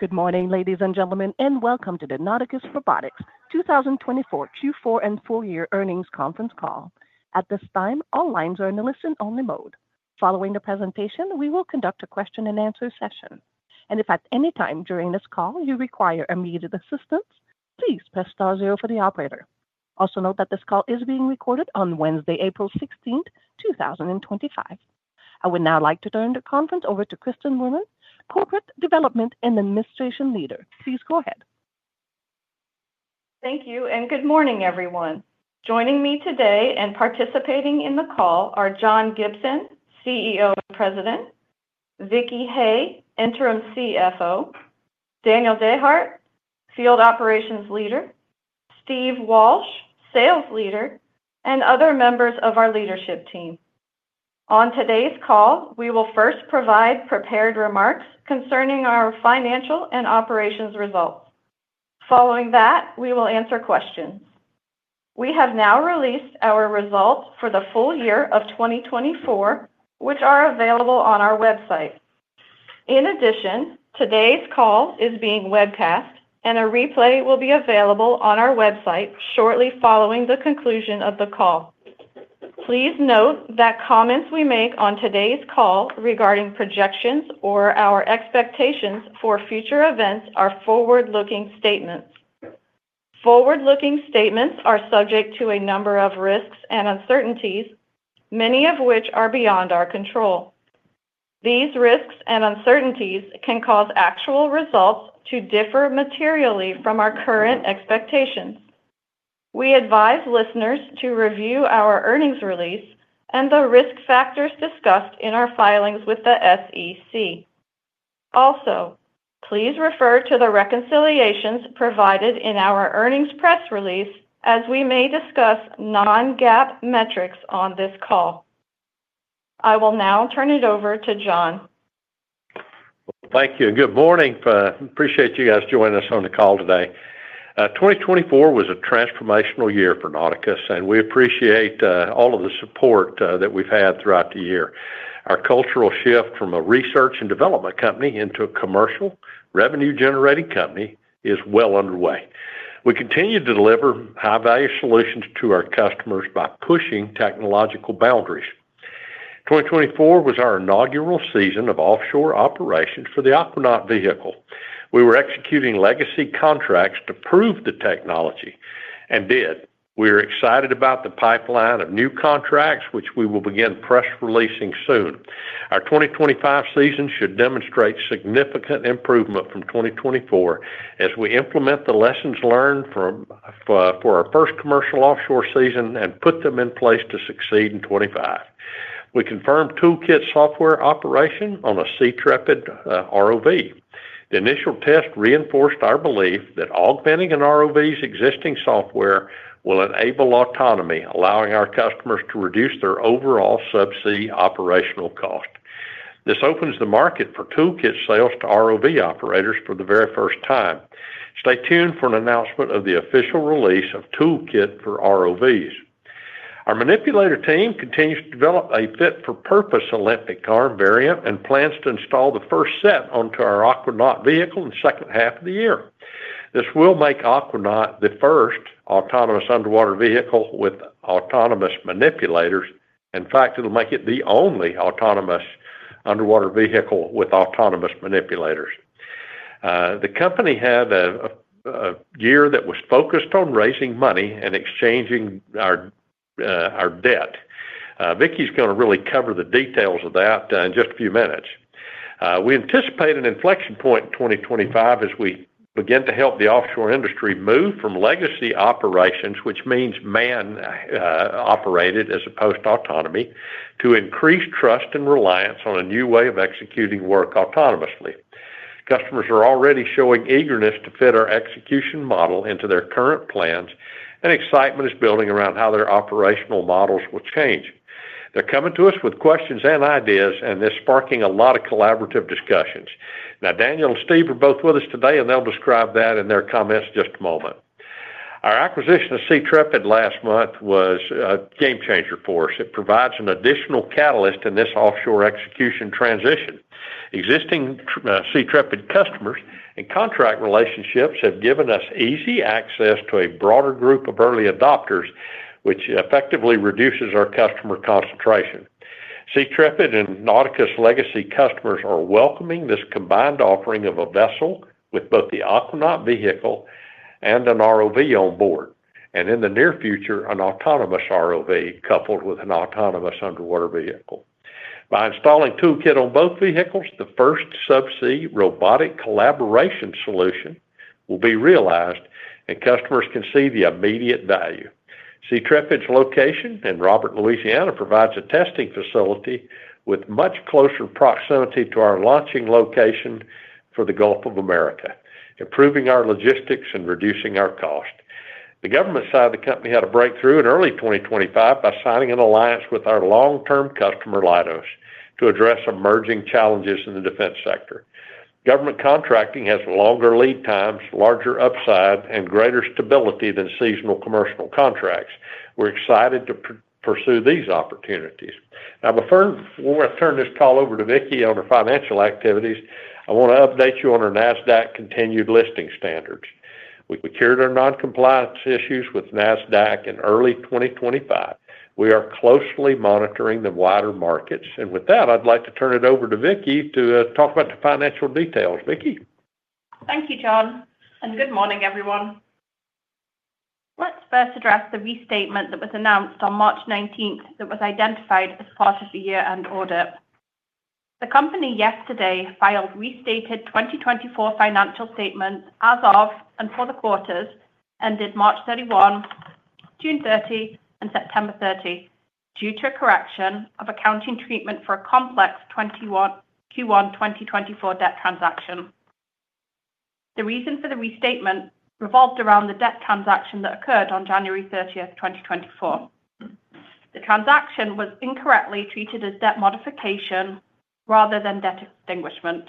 Good morning, ladies and gentlemen, and welcome to the Nauticus Robotics 2024 Q4 and full-year earnings conference call. At this time, all lines are in the listen-only mode. Following the presentation, we will conduct a Q&A session. If at any time during this call you require immediate assistance, please press star zero for the operator. Also note that this call is being recorded on Wednesday, April 16, 2025. I would now like to turn the conference over to Kristin Moorman, Corporate Development and Administration Leader. Please go ahead. Thank you, and good morning, everyone. Joining me today and participating in the call are John Gibson, CEO and President; Vicki Hay, Interim CFO; Daniel Dehart, Field Operations Leader; Steve Walsh, Sales Leader; and other members of our leadership team. On today's call, we will first provide prepared remarks concerning our financial and operations results. Following that, we will answer questions. We have now released our results for the full year of 2024, which are available on our website. In addition, today's call is being webcast, and a replay will be available on our website shortly following the conclusion of the call. Please note that comments we make on today's call regarding projections or our expectations for future events are forward-looking statements. Forward-looking statements are subject to a number of risks and uncertainties, many of which are beyond our control. These risks and uncertainties can cause actual results to differ materially from our current expectations. We advise listeners to review our earnings release and the risk factors discussed in our filings with the SEC. Also, please refer to the reconciliations provided in our earnings press release, as we may discuss non-GAAP metrics on this call. I will now turn it over to John. Thank you. Good morning. I appreciate you guys joining us on the call today. 2024 was a transformational year for Nauticus, and we appreciate all of the support that we've had throughout the year. Our cultural shift from a research and development company into a commercial revenue-generating company is well underway. We continue to deliver high-value solutions to our customers by pushing technological boundaries. 2024 was our inaugural season of offshore operations for the Aquanaut vehicle. We were executing legacy contracts to prove the technology, and did. We are excited about the pipeline of new contracts, which we will begin press releasing soon. Our 2025 season should demonstrate significant improvement from 2024 as we implement the lessons learned from our first commercial offshore season and put them in place to succeed in 2025. We confirmed Toolkit software operation on a SeaTrepid ROV. The initial test reinforced our belief that augmenting an ROV's existing software will enable autonomy, allowing our customers to reduce their overall subsea operational cost. This opens the market for Toolkit sales to ROV operators for the very first time. Stay tuned for an announcement of the official release of Toolkit for ROVs. Our Manipulator team continues to develop a fit-for-purpose Olympic car variant and plans to install the first set onto our Aquanaut vehicle in the second half of the year. This will make Aquanaut the first autonomous underwater vehicle with autonomous manipulators. In fact, it'll make it the only autonomous underwater vehicle with autonomous manipulators. The company had a year that was focused on raising money and exchanging our debt. Vicki's going to really cover the details of that in just a few minutes. We anticipate an inflection point in 2025 as we begin to help the offshore industry move from legacy operations, which means man-operated as opposed to autonomy, to increased trust and reliance on a new way of executing work autonomously. Customers are already showing eagerness to fit our execution model into their current plans, and excitement is building around how their operational models will change. They're coming to us with questions and ideas, and this is sparking a lot of collaborative discussions. Now, Daniel and Steve are both with us today, and they'll describe that in their comments in just a moment. Our acquisition of SeaTrepid last month was a game changer for us. It provides an additional catalyst in this offshore execution transition. Existing SeaTrepid customers and contract relationships have given us easy access to a broader group of early adopters, which effectively reduces our customer concentration. SeaTrepid and Nauticus legacy customers are welcoming this combined offering of a vessel with both the Aquanaut vehicle and an ROV on board, and in the near future, an autonomous ROV coupled with an autonomous underwater vehicle. By installing Toolkit on both vehicles, the first subsea robotic collaboration solution will be realized, and customers can see the immediate value. SeaTrepid's location in Robert, Louisiana, provides a testing facility with much closer proximity to our launching location for the Gulf of America, improving our logistics and reducing our cost. The government side of the company had a breakthrough in early 2025 by signing an alliance with our long-term customer, Leidos, to address emerging challenges in the defense sector. Government contracting has longer lead times, larger upside, and greater stability than seasonal commercial contracts. We're excited to pursue these opportunities. Now, before I turn this call over to Vicki on her financial activities, I want to update you on our NASDAQ continued listing standards. We cured our non-compliance issues with NASDAQ in early 2024. We are closely monitoring the wider markets. With that, I'd like to turn it over to Vicki to talk about the financial details. Vicki. Thank you, John. Good morning, everyone. Let's first address the restatement that was announced on March 19th that was identified as part of the year-end audit. The company yesterday filed restated 2024 financial statements as of and for the quarters ended March 31, June 30, and September 30 due to a correction of accounting treatment for a complex Q1 2024 debt transaction. The reason for the restatement revolved around the debt transaction that occurred on January 30, 2024. The transaction was incorrectly treated as debt modification rather than debt extinguishment.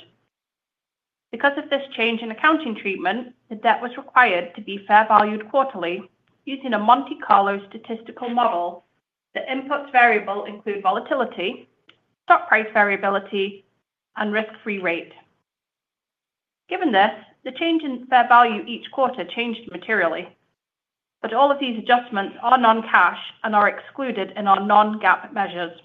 Because of this change in accounting treatment, the debt was required to be fair valued quarterly using a Monte Carlo statistical model. The inputs variable include volatility, stock price variability, and risk-free rate. Given this, the change in fair value each quarter changed materially. All of these adjustments are non-cash and are excluded in our non-GAAP measures.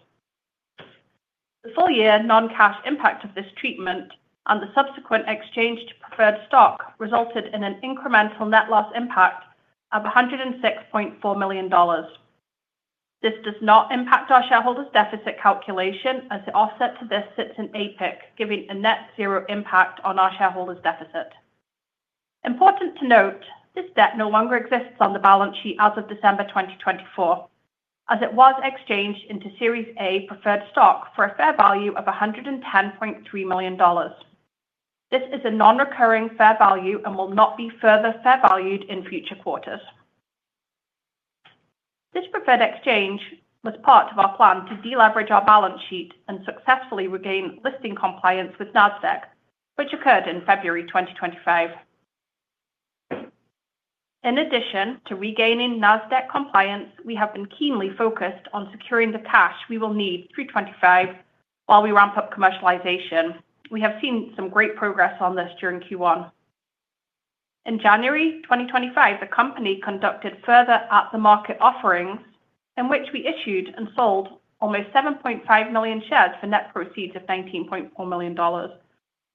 The full-year non-cash impact of this treatment and the subsequent exchange to preferred stock resulted in an incremental net loss impact of $106.4 million. This does not impact our shareholders' deficit calculation as the offset to this sits in APIC, giving a net zero impact on our shareholders' deficit. Important to note, this debt no longer exists on the balance sheet as of December 2024, as it was exchanged into Series A preferred stock for a fair value of $110.3 million. This is a non-recurring fair value and will not be further fair valued in future quarters. This preferred exchange was part of our plan to deleverage our balance sheet and successfully regain listing compliance with NASDAQ, which occurred in February 2025. In addition to regaining NASDAQ compliance, we have been keenly focused on securing the cash we will need through 2025 while we ramp up commercialization. We have seen some great progress on this during Q1. In January 2025, the company conducted further at-the-market offerings in which we issued and sold almost 7.5 million shares for net proceeds of $19.4 million.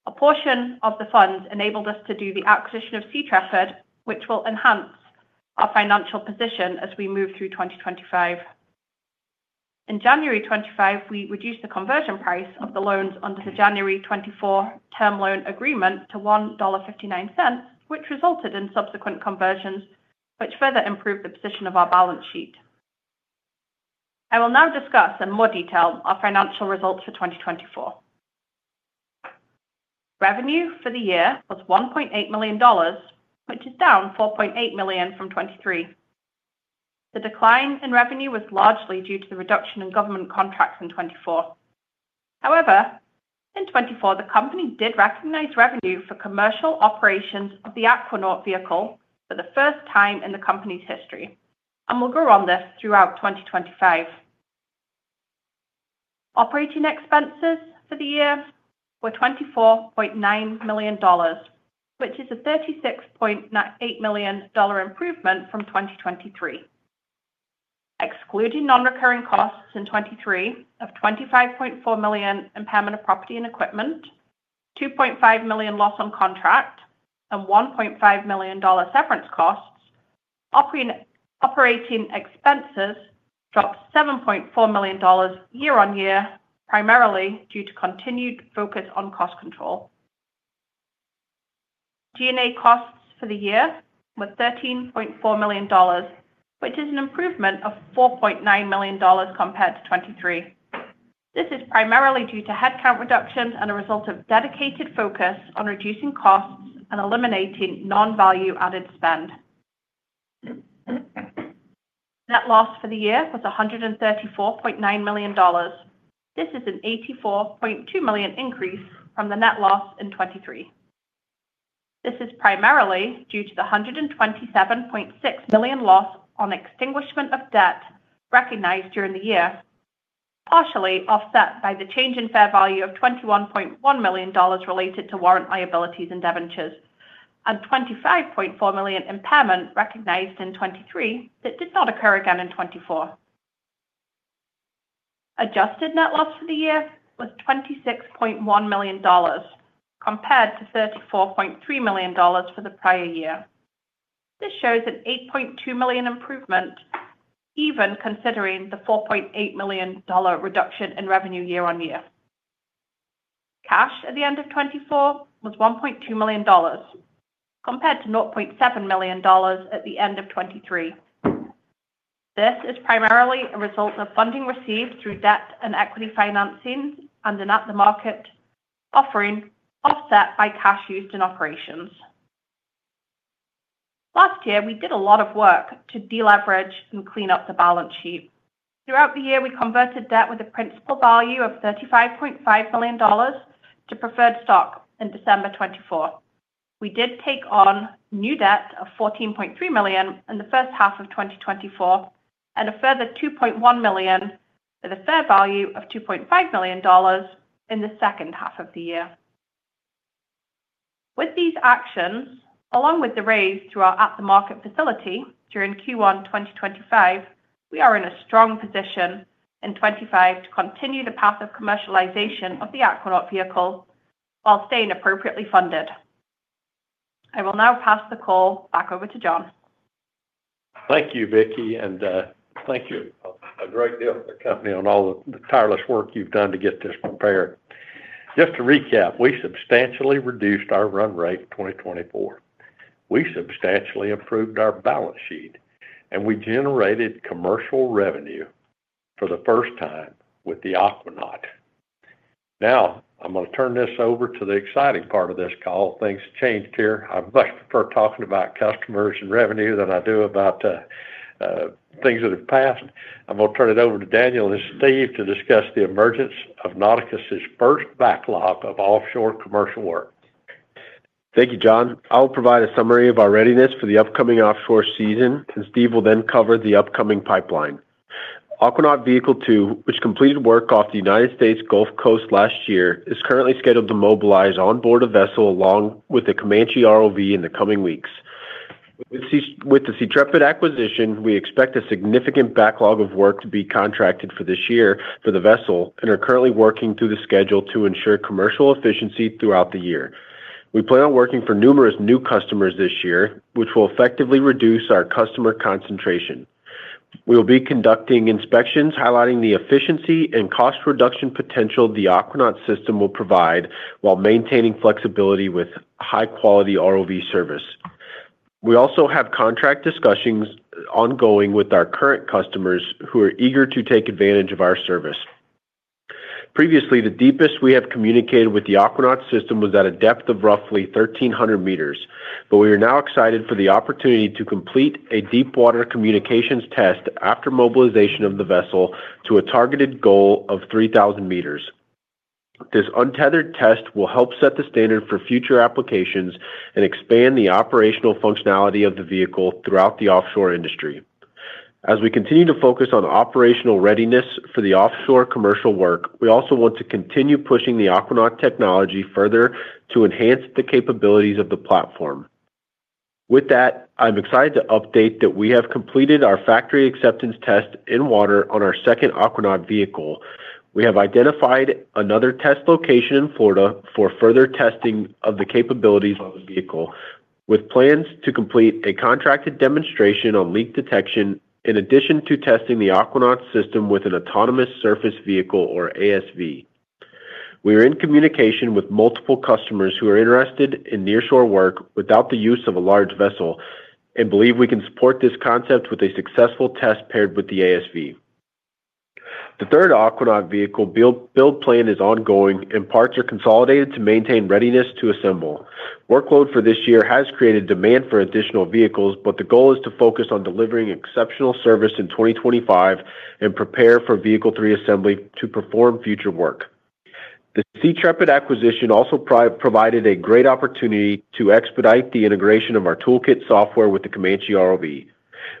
A portion of the funds enabled us to do the acquisition of SeaTrepid, which will enhance our financial position as we move through 2025. In January 2025, we reduced the conversion price of the loans under the January 2024 term loan agreement to $1.59, which resulted in subsequent conversions, which further improved the position of our balance sheet. I will now discuss in more detail our financial results for 2024. Revenue for the year was $1.8 million, which is down $4.8 million from 2023. The decline in revenue was largely due to the reduction in government contracts in 2024. However, in 2024, the company did recognize revenue for commercial operations of the Aquanaut vehicle for the first time in the company's history, and will grow on this throughout 2025. Operating expenses for the year were $24.9 million, which is a $36.8 million improvement from 2023. Excluding non-recurring costs in 2023 of $25.4 million impairment of property and equipment, $2.5 million loss on contract, and $1.5 million severance costs, operating expenses dropped $7.4 million year-on-year, primarily due to continued focus on cost control. DNA costs for the year were $13.4 million, which is an improvement of $4.9 million compared to 2023. This is primarily due to headcount reductions and a result of dedicated focus on reducing costs and eliminating non-value-added spend. Net loss for the year was $134.9 million. This is an $84.2 million increase from the net loss in 2023. This is primarily due to the $127.6 million loss on extinguishment of debt recognized during the year, partially offset by the change in fair value of $21.1 million related to warrant liabilities and debentures, and $25.4 million impairment recognized in 2023 that did not occur again in 2024. Adjusted net loss for the year was $26.1 million compared to $34.3 million for the prior year. This shows an $8.2 million improvement, even considering the $4.8 million reduction in revenue year-on-year. Cash at the end of 2024 was $1.2 million compared to $0.7 million at the end of 2023. This is primarily a result of funding received through debt and equity financing and an at-the-market offering offset by cash used in operations. Last year, we did a lot of work to deleverage and clean up the balance sheet. Throughout the year, we converted debt with a principal value of $35.5 million to preferred stock in December 2024. We did take on new debt of $14.3 million in the first half of 2024 and a further $2.1 million with a fair value of $2.5 million in the second half of the year. With these actions, along with the raise through our at-the-market facility during Q1 2025, we are in a strong position in 2025 to continue the path of commercialization of the Aquanaut vehicle while staying appropriately funded. I will now pass the call back over to John. Thank you, Vicki, and thank you a great deal for the company on all the tireless work you've done to get this prepared. Just to recap, we substantially reduced our run rate in 2024. We substantially improved our balance sheet, and we generated commercial revenue for the first time with the Aquanaut. Now, I'm going to turn this over to the exciting part of this call. Things have changed here. I much prefer talking about customers and revenue than I do about things that have passed. I'm going to turn it over to Daniel and Steve to discuss the emergence of Nauticus's first backlog of offshore commercial work. Thank you, John. I'll provide a summary of our readiness for the upcoming offshore season, and Steve will then cover the upcoming pipeline. Aquanaut Vehicle II, which completed work off the United States Gulf Coast last year, is currently scheduled to mobilize onboard a vessel along with a Comanche ROV in the coming weeks. With the SeaTrepid acquisition, we expect a significant backlog of work to be contracted for this year for the vessel and are currently working through the schedule to ensure commercial efficiency throughout the year. We plan on working for numerous new customers this year, which will effectively reduce our customer concentration. We will be conducting inspections highlighting the efficiency and cost reduction potential the Aquanaut system will provide while maintaining flexibility with high-quality ROV service. We also have contract discussions ongoing with our current customers who are eager to take advantage of our service. Previously, the deepest we have communicated with the Aquanaut system was at a depth of roughly 1,300 meters, but we are now excited for the opportunity to complete a deep-water communications test after mobilization of the vessel to a targeted goal of 3,000 meters. This untethered test will help set the standard for future applications and expand the operational functionality of the vehicle throughout the offshore industry. As we continue to focus on operational readiness for the offshore commercial work, we also want to continue pushing the Aquanaut technology further to enhance the capabilities of the platform. With that, I'm excited to update that we have completed our factory acceptance test in water on our second Aquanaut vehicle. We have identified another test location in Florida for further testing of the capabilities of the vehicle, with plans to complete a contracted demonstration on leak detection in addition to testing the Aquanaut system with an autonomous surface vehicle, or ASV. We are in communication with multiple customers who are interested in nearshore work without the use of a large vessel and believe we can support this concept with a successful test paired with the ASV. The third Aquanaut vehicle build plan is ongoing, and parts are consolidated to maintain readiness to assemble. Workload for this year has created demand for additional vehicles, but the goal is to focus on delivering exceptional service in 2025 and prepare for vehicle three assembly to perform future work. The SeaTrepid acquisition also provided a great opportunity to expedite the integration of our Toolkit software with the Comanche ROV.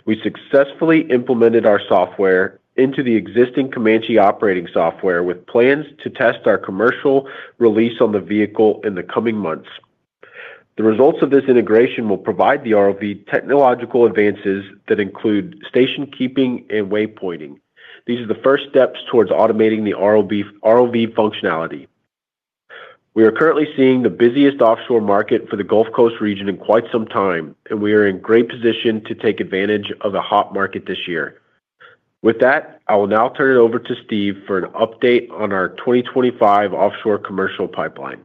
We successfully implemented our software into the existing Comanche operating software with plans to test our commercial release on the vehicle in the coming months. The results of this integration will provide the ROV technological advances that include station keeping and waypointing. These are the first steps towards automating the ROV functionality. We are currently seeing the busiest offshore market for the Gulf Coast region in quite some time, and we are in great position to take advantage of a hot market this year. With that, I will now turn it over to Steve for an update on our 2025 offshore commercial pipeline.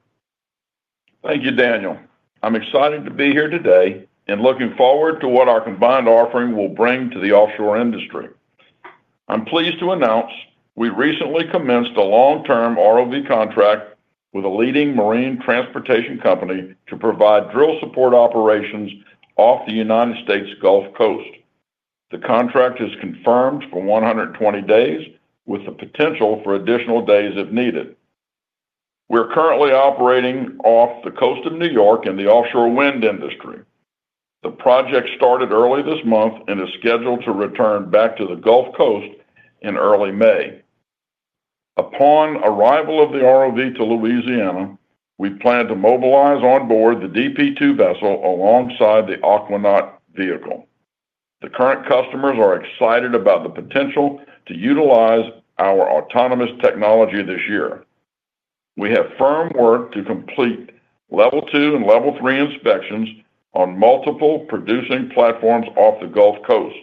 Thank you, Daniel. I'm excited to be here today and looking forward to what our combined offering will bring to the offshore industry. I'm pleased to announce we recently commenced a long-term ROV contract with a leading marine transportation company to provide drill support operations off the United States Gulf Coast. The contract is confirmed for 120 days with the potential for additional days if needed. We're currently operating off the coast of New York in the offshore wind industry. The project started early this month and is scheduled to return back to the Gulf Coast in early May. Upon arrival of the ROV to Louisiana, we plan to mobilize onboard the DP2 vessel alongside the Aquanaut vehicle. The current customers are excited about the potential to utilize our autonomous technology this year. We have firm work to complete level two and level three inspections on multiple producing platforms off the Gulf Coast.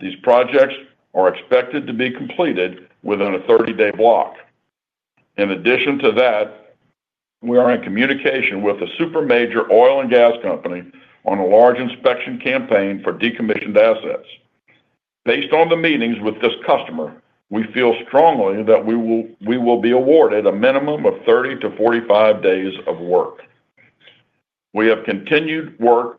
These projects are expected to be completed within a 30-day block. In addition to that, we are in communication with a super major oil and gas company on a large inspection campaign for decommissioned assets. Based on the meetings with this customer, we feel strongly that we will be awarded a minimum of 30-45 days of work. We have continued work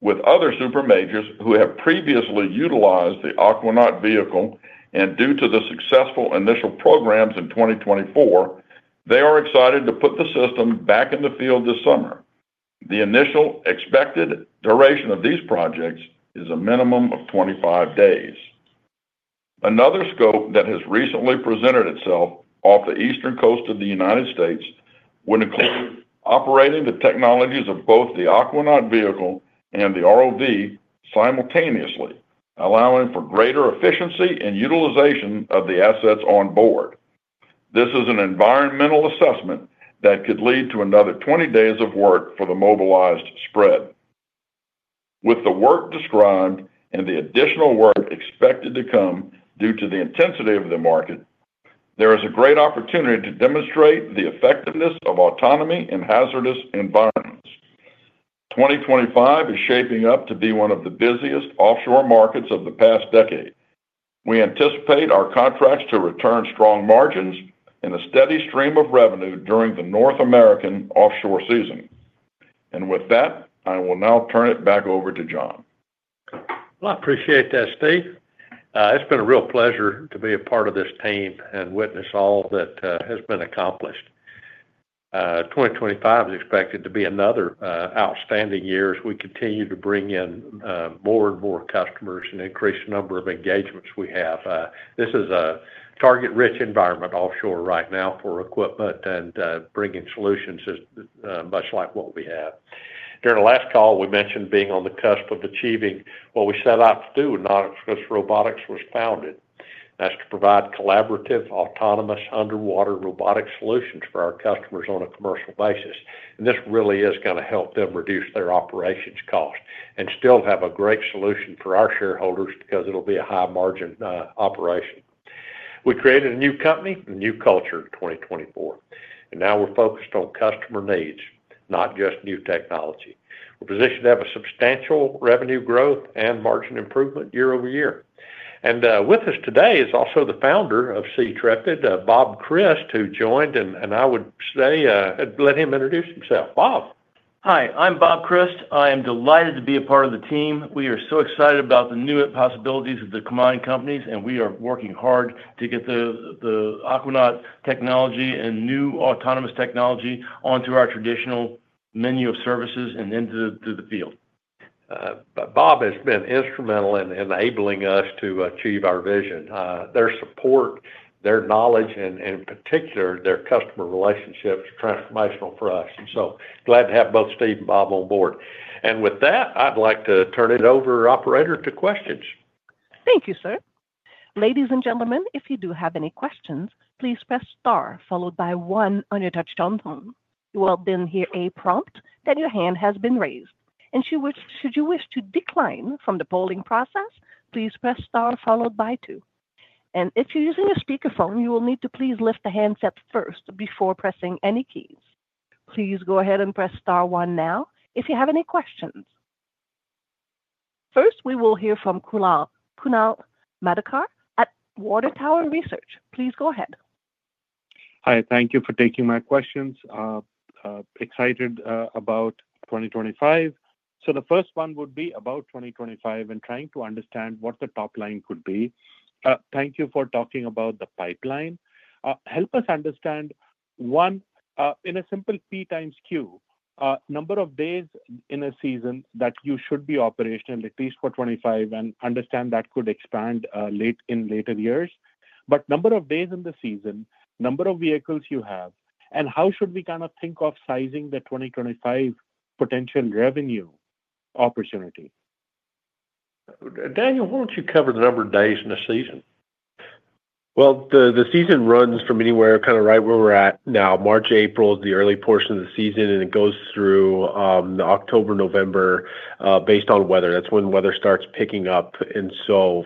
with other super majors who have previously utilized the Aquanaut vehicle, and due to the successful initial programs in 2024, they are excited to put the system back in the field this summer. The initial expected duration of these projects is a minimum of 25 days. Another scope that has recently presented itself off the eastern coast of the United States would include operating the technologies of both the Aquanaut vehicle and the ROV simultaneously, allowing for greater efficiency and utilization of the assets on board. This is an environmental assessment that could lead to another 20 days of work for the mobilized spread. With the work described and the additional work expected to come due to the intensity of the market, there is a great opportunity to demonstrate the effectiveness of autonomy in hazardous environments. 2025 is shaping up to be one of the busiest offshore markets of the past decade. We anticipate our contracts to return strong margins and a steady stream of revenue during the North American offshore season. I will now turn it back over to John. I appreciate that, Steve. It's been a real pleasure to be a part of this team and witness all that has been accomplished. 2025 is expected to be another outstanding year as we continue to bring in more and more customers and increase the number of engagements we have. This is a target-rich environment offshore right now for equipment and bringing solutions much like what we have. During the last call, we mentioned being on the cusp of achieving what we set out to do when Nauticus Robotics was founded, and that's to provide collaborative autonomous underwater robotic solutions for our customers on a commercial basis. This really is going to help them reduce their operations cost and still have a great solution for our shareholders because it'll be a high-margin operation. We created a new company and a new culture in 2024, and now we're focused on customer needs, not just new technology. We're positioned to have substantial revenue growth and margin improvement year over year. With us today is also the founder of SeaTrepid, Bob Christ, who joined, and I would say let him introduce himself. Bob. Hi, I'm Bob Christ. I am delighted to be a part of the team. We are so excited about the new possibilities of the combined companies, and we are working hard to get the Aquanaut technology and new autonomous technology onto our traditional menu of services and into the field. Bob has been instrumental in enabling us to achieve our vision. Their support, their knowledge, and in particular, their customer relationships are transformational for us. I am glad to have both Steve and Bob on board. With that, I'd like to turn it over, operator, to questions. Thank you, sir. Ladies and gentlemen, if you do have any questions, please press star followed by one on your touch-tone phone. You will then hear a prompt that your hand has been raised. Should you wish to decline from the polling process, please press star followed by two. If you are using a speakerphone, you will need to please lift the handset first before pressing any keys. Please go ahead and press star one now if you have any questions. First, we will hear from Kunal Madhukar at Water Tower Research. Please go ahead. Hi, thank you for taking my questions. Excited about 2025. The first one would be about 2025 and trying to understand what the top line could be. Thank you for talking about the pipeline. Help us understand, one, in a simple P times Q, number of days in a season that you should be operational at least for 2025 and understand that could expand in later years. Number of days in the season, number of vehicles you have, and how should we kind of think of sizing the 2025 potential revenue opportunity? Daniel, why don't you cover the number of days in a season? The season runs from anywhere kind of right where we're at now. March, April is the early portion of the season, and it goes through October, November based on weather. That's when weather starts picking up.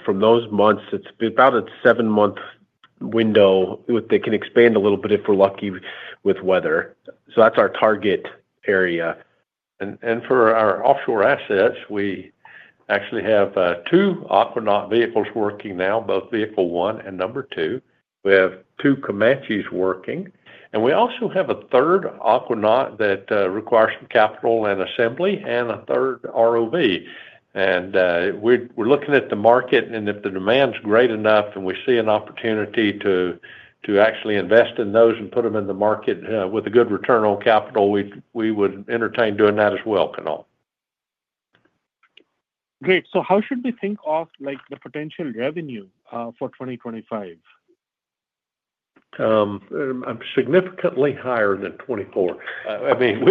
From those months, it's about a seven-month window that can expand a little bit if we're lucky with weather. That's our target area. For our offshore assets, we actually have two Aquanaut vehicles working now, both Vehicle One and Number Two. We have two Comanches working. We also have a third Aquanaut that requires some capital and assembly and a third ROV. We're looking at the market, and if the demand's great enough and we see an opportunity to actually invest in those and put them in the market with a good return on capital, we would entertain doing that as well, Kunal. Great. How should we think of the potential revenue for 2025? Significantly higher than 2024. I mean,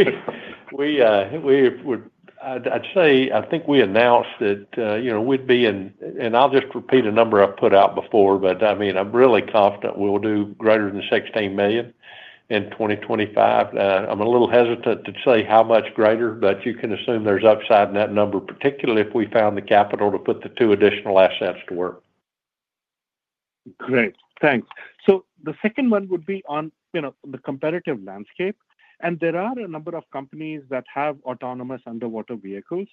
I'd say I think we announced that we'd be in, and I'll just repeat a number I've put out before, but I mean, I'm really confident we'll do greater than $16 million in 2025. I'm a little hesitant to say how much greater, but you can assume there's upside in that number, particularly if we found the capital to put the two additional assets to work. Great. Thanks. The second one would be on the competitive landscape. There are a number of companies that have autonomous underwater vehicles.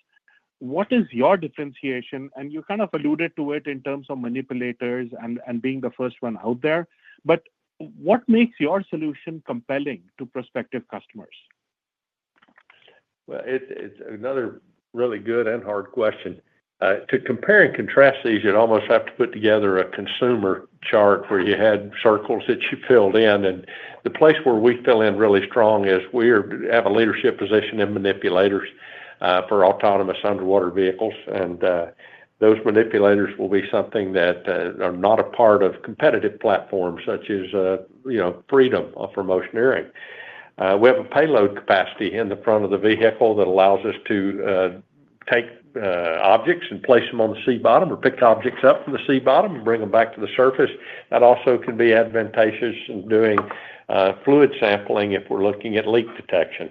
What is your differentiation? You kind of alluded to it in terms of manipulators and being the first one out there, but what makes your solution compelling to prospective customers? It's another really good and hard question. To compare and contrast these, you'd almost have to put together a consumer chart where you had circles that you filled in. The place where we fill in really strong is we have a leadership position in manipulators for autonomous underwater vehicles. Those manipulators will be something that are not a part of competitive platforms such as Freedom or Oceaneering. We have a payload capacity in the front of the vehicle that allows us to take objects and place them on the sea bottom or pick objects up from the sea bottom and bring them back to the surface. That also can be advantageous in doing fluid sampling if we're looking at leak detection.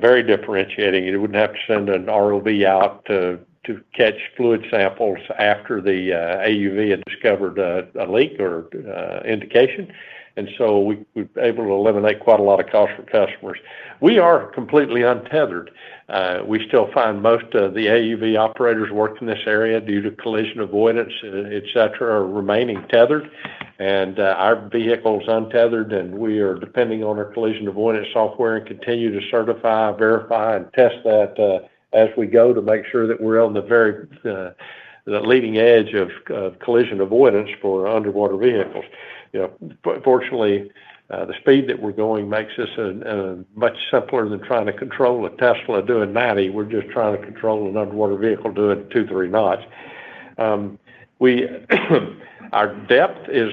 Very differentiating. You wouldn't have to send an ROV out to catch fluid samples after the AUV had discovered a leak or indication. We have been able to eliminate quite a lot of costs for customers. We are completely untethered. We still find most of the AUV operators working in this area due to collision avoidance, etc., are remaining tethered. Our vehicle is untethered, and we are depending on our collision avoidance software and continue to certify, verify, and test that as we go to make sure that we are on the very leading edge of collision avoidance for underwater vehicles. Fortunately, the speed that we are going makes this much simpler than trying to control a Tesla doing 90. We are just trying to control an underwater vehicle doing two, three knots. Our depth is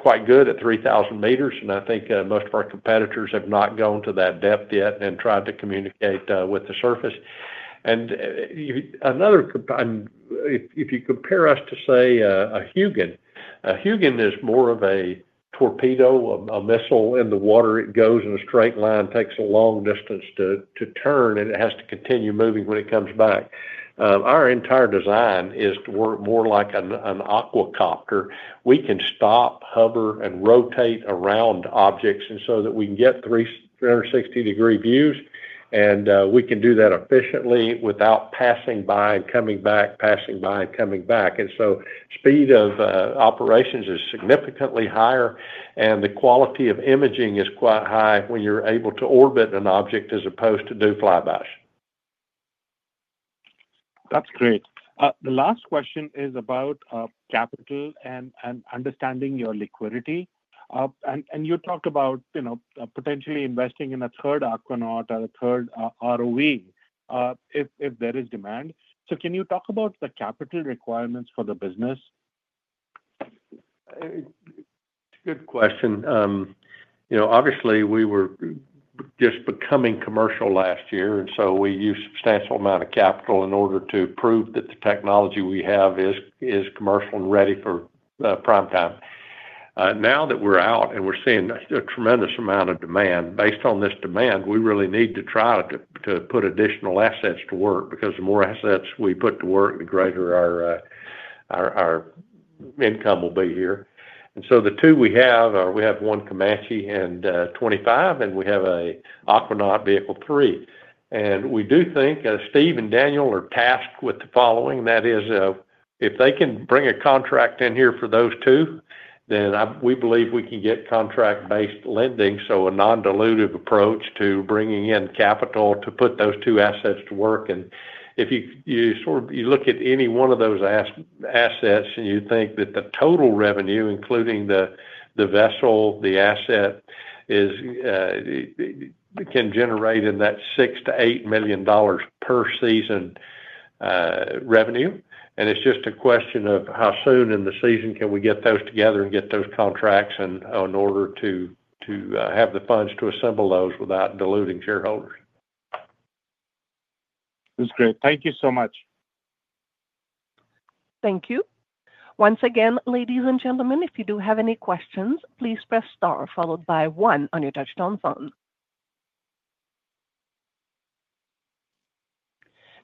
quite good at 3,000 meters, and I think most of our competitors have not gone to that depth yet and tried to communicate with the surface. If you compare us to, say, a Hugin, a Hugin is more of a torpedo, a missile in the water. It goes in a straight line, takes a long distance to turn, and it has to continue moving when it comes back. Our entire design is to work more like an Aquacopter. We can stop, hover, and rotate around objects so that we can get 360-degree views, and we can do that efficiently without passing by and coming back, passing by and coming back. Speed of operations is significantly higher, and the quality of imaging is quite high when you're able to orbit an object as opposed to do flybys. That's great. The last question is about capital and understanding your liquidity. You talked about potentially investing in a third Aquanaut or a third ROV if there is demand. Can you talk about the capital requirements for the business? Good question. Obviously, we were just becoming commercial last year, and so we used a substantial amount of capital in order to prove that the technology we have is commercial and ready for prime time. Now that we're out and we're seeing a tremendous amount of demand, based on this demand, we really need to try to put additional assets to work because the more assets we put to work, the greater our income will be here. The two we have, we have one Comanche and 25, and we have an Aquanaut Vehicle 3. We do think Steve and Daniel are tasked with the following. That is, if they can bring a contract in here for those two, then we believe we can get contract-based lending, so a non-dilutive approach to bringing in capital to put those two assets to work. If you look at any one of those assets, you'd think that the total revenue, including the vessel, the asset, can generate in that $6 million-$8 million per season revenue. It's just a question of how soon in the season we can get those together and get those contracts in order to have the funds to assemble those without diluting shareholders. That's great. Thank you so much. Thank you. Once again, ladies and gentlemen, if you do have any questions, please press star followed by one on your touch-tone phone.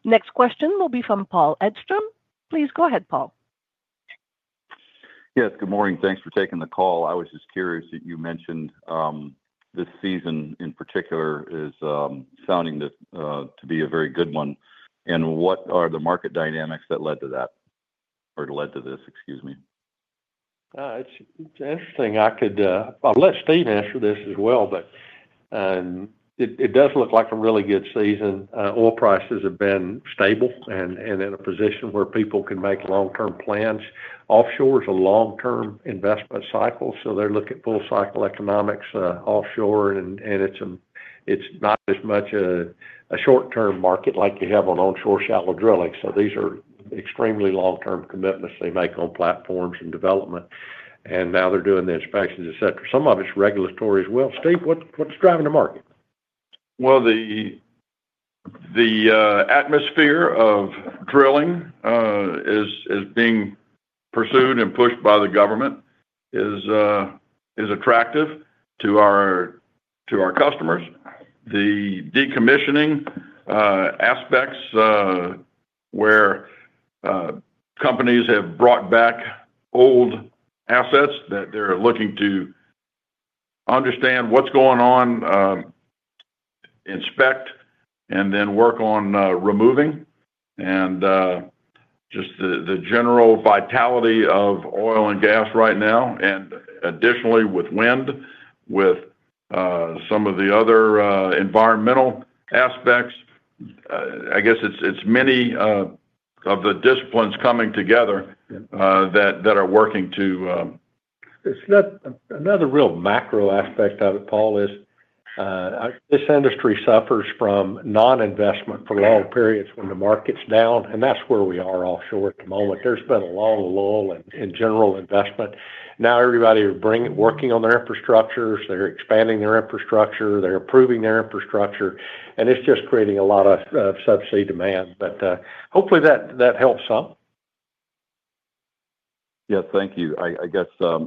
Next question will be from Paul Edstrom. Please go ahead, Paul. Yes, good morning. Thanks for taking the call. I was just curious that you mentioned this season in particular is sounding to be a very good one. What are the market dynamics that led to that or led to this, excuse me? It's interesting. I'll let Steve answer this as well, but it does look like a really good season. Oil prices have been stable and in a position where people can make long-term plans. Offshore is a long-term investment cycle, so they're looking at full-cycle economics offshore, and it's not as much a short-term market like you have on onshore shallow drilling. These are extremely long-term commitments they make on platforms and development. Now they're doing the inspections, etc. Some of it's regulatory as well. Steve, what's driving the market? The atmosphere of drilling is being pursued and pushed by the government is attractive to our customers. The decommissioning aspects where companies have brought back old assets that they're looking to understand what's going on, inspect, and then work on removing. Just the general vitality of oil and gas right now, and additionally with wind, with some of the other environmental aspects, I guess it's many of the disciplines coming together that are working to. Another real macro aspect of it, Paul, is this industry suffers from non-investment for long periods when the market's down, and that's where we are offshore at the moment. There's been a long lull in general investment. Now everybody is working on their infrastructures. They're expanding their infrastructure. They're improving their infrastructure. It's just creating a lot of subsea demand. Hopefully that helps some. Yes, thank you. I guess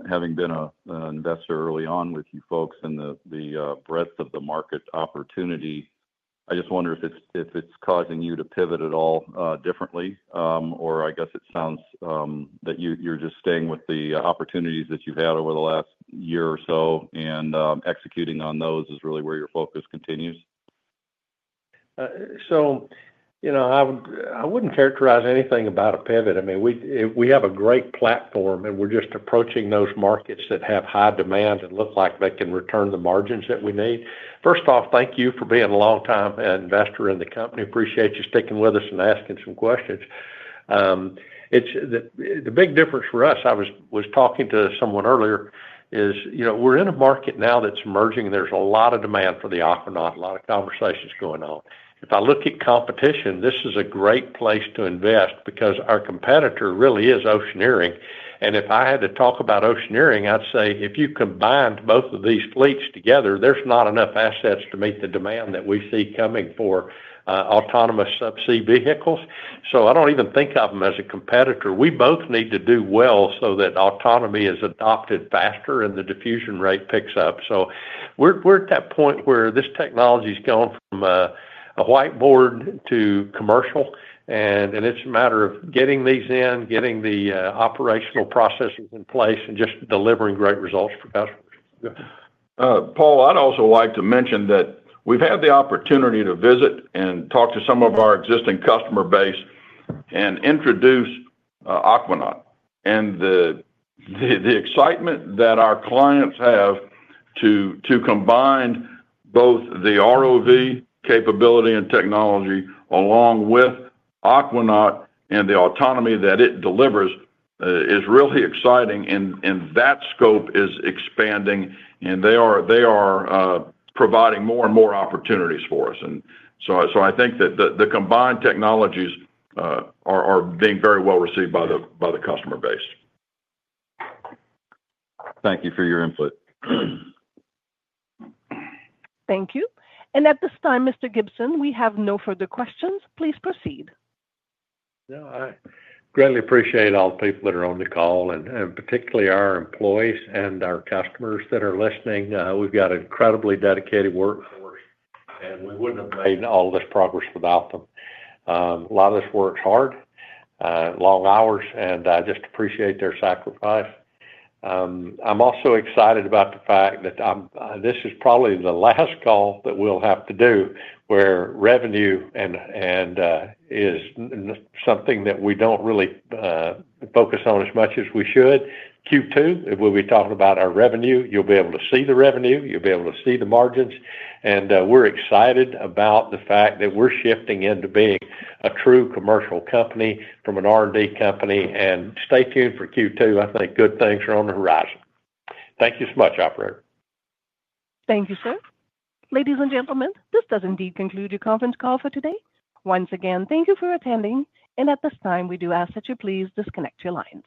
having been an investor early on with you folks and the breadth of the market opportunity, I just wonder if it's causing you to pivot at all differently, or I guess it sounds that you're just staying with the opportunities that you've had over the last year or so, and executing on those is really where your focus continues. I wouldn't characterize anything about a pivot. I mean, we have a great platform, and we're just approaching those markets that have high demand and look like they can return the margins that we need. First off, thank you for being a long-time investor in the company. Appreciate you sticking with us and asking some questions. The big difference for us, I was talking to someone earlier, is we're in a market now that's emerging, and there's a lot of demand for the Aquanaut, a lot of conversations going on. If I look at competition, this is a great place to invest because our competitor really is Oceaneering. If I had to talk about Oceaneering, I'd say if you combined both of these fleets together, there's not enough assets to meet the demand that we see coming for autonomous subsea vehicles. I do not even think of them as a competitor. We both need to do well so that autonomy is adopted faster and the diffusion rate picks up. We are at that point where this technology's gone from a whiteboard to commercial, and it is a matter of getting these in, getting the operational processes in place, and just delivering great results for customers. Paul, I'd also like to mention that we've had the opportunity to visit and talk to some of our existing customer base and introduce Aquanaut and the excitement that our clients have to combine both the ROV capability and technology along with Aquanaut and the autonomy that it delivers is really exciting. That scope is expanding, and they are providing more and more opportunities for us. I think that the combined technologies are being very well received by the customer base. Thank you for your input. Thank you. At this time, Mr. Gibson, we have no further questions. Please proceed. No, I greatly appreciate all the people that are on the call, and particularly our employees and our customers that are listening. We have incredibly dedicated workers, and we would not have made all this progress without them. A lot of this work is hard, long hours, and I just appreciate their sacrifice. I am also excited about the fact that this is probably the last call that we will have to do where revenue is something that we do not really focus on as much as we should. Q2, we will be talking about our revenue. You will be able to see the revenue. You will be able to see the margins. We are excited about the fact that we are shifting into being a true commercial company from an R&D company. Stay tuned for Q2. I think good things are on the horizon. Thank you so much, operator. Thank you, sir. Ladies and gentlemen, this does indeed conclude your conference call for today. Once again, thank you for attending. At this time, we do ask that you please disconnect your lines.